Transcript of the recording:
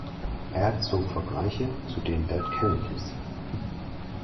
Er zog Vergleiche zu den Dead Kennedys.